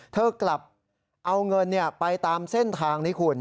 เธอกลับเอาเงินไปตามเส้นทางนี้คุณ